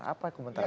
apa komentar anda